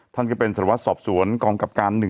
ท่านคือเป็นศาลวัฒน์สอบสวนกรมกรรมการ๑